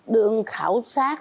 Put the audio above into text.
đương khảo sát